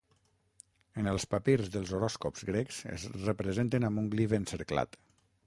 En els papirs dels horòscops grecs es representen amb un glif encerclat.